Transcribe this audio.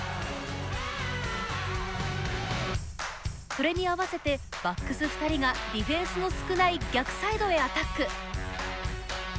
それに合わせて、バックス２人がディフェンスの少ない逆サイドへアタック。